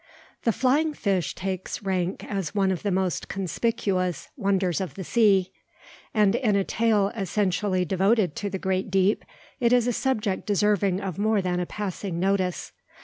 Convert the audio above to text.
The flying fish takes rank as one of the most conspicuous "wonders of the sea," and in a tale essentially devoted to the great deep, it is a subject deserving of more than a passing notice.